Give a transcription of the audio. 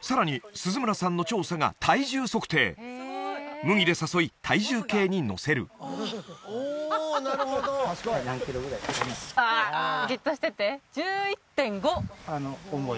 さらに鈴村さんの調査が体重測定麦で誘い体重計に乗せる何キロぐらい？